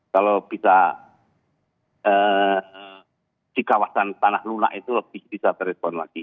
kalau bisa di kawasan tanah lunak itu lebih bisa terespon lagi